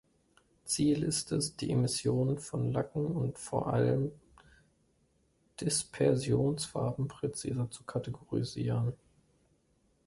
Ziel ist es, die Emissionen von Lacken und vor allem Dispersionsfarben präziser zu kategorisieren.